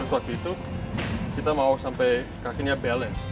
terus waktu itu kita mau sampai kakinya balance